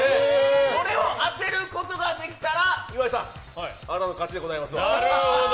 それを当てることができたら岩井さんあなたの勝ちでございます。